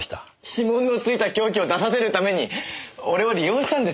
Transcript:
指紋の付いた凶器を出させるために俺を利用したんですか？